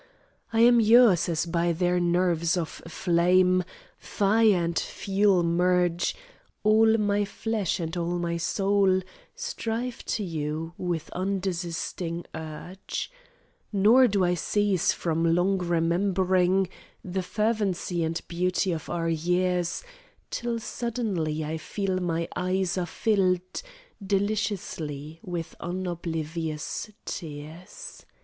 I am yours as by their nerves of flame Fire and fuel merge;. All my flesh and all my soul Strive to you with undesisting urge; Nor do I cease from long remembering The fervency and beauty of our years, Till suddenly I feel my eyes are filled Deliciously, with unoblivious tears.